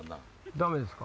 ダメですか？